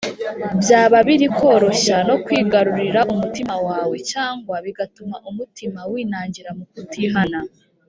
byaba biri koroshya no kuwigarurira umutima wawe, cyangwa bigatuma umutima winangira mu kutihana